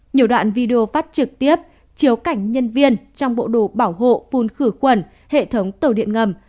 nhiều đoạn video phát trực tiếp chiếu cảnh nhân viên trong bộ đồ bảo hộ phun khử quần hệ thống tàu điện ngầm